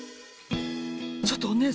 ちょっとお姉さん。